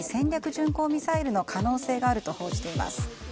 巡航ミサイルの可能性があると報じています。